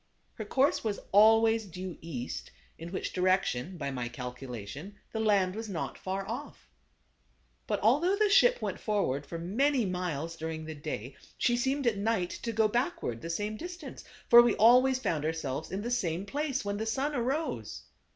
Her course was always due east, in which direc tion, by my calculation, the land was not far off. But although the ship went forward for many miles during the day, she seemed at night to go backward the same distance ; for we always found ourselves in the same place when the sun arose.